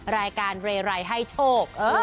รายการเรไรให้โชค